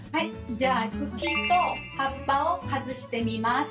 じゃあ茎と葉っぱを外してみます。